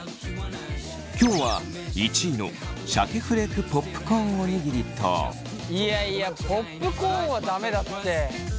今日は１位のシャケフレークポップコーンおにぎりといやいやポップコーンは駄目だって。